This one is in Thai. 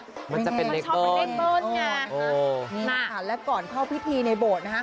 มันจะเป็นเล็กเบิ้ลอย่างนี้นะครับนี่ค่ะแล้วก่อนเข้าพิธีในโบสถ์นะครับ